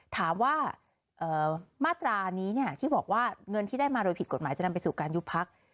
ถามว่ามาตรานี้ที่บอกว่าเงินที่ได้มาโดยผิดกฎหมายจะนำไปสู่การยุบพัก